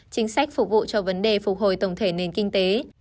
chính sách phục vụ cho vấn đề phục hồi tổng thể nền kinh tế